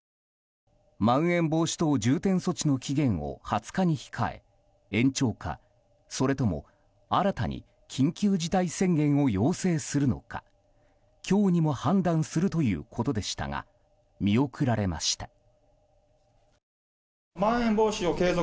まん延防止等重点措置の期限を２０日に控え延長か、それとも新たに緊急事態宣言を要請するのか今日にも判断するということでしたが見送られました。